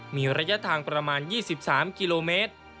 มีระยะทางประมาณ๒๓กิโลเมตร